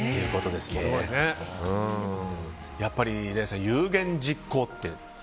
やっぱり皆さん、有言実行って。